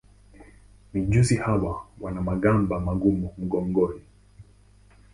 Mijusi hawa wana magamba magumu mgongoni.